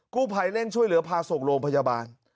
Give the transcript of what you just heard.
กู้ภัยเร่งช่วยเหลือพาส่งโรงพยาบาล